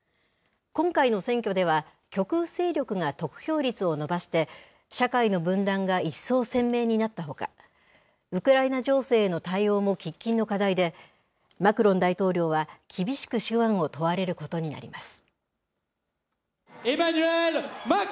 今回の選挙では、極右勢力が得票率を伸ばして、社会の分断が一層鮮明になったほか、ウクライナ情勢への対応も喫緊の課題で、マクロン大統領は、厳しく手腕を問われることになります。